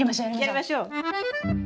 やりましょう！